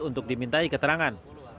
untuk dimintai keterangan